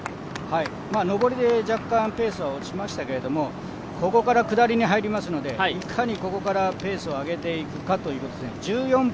上りで若干ペースは落ちましたけれども、ここから下りに入りますので、いかにここからペースを上げていくかというところですね。